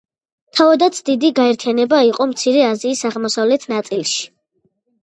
თავადაც დიდი გაერთიანება იყო მცირე აზიის აღმოსავლეთ ნაწილში.